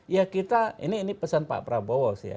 ya kita ini pesan pak prabowo sih ya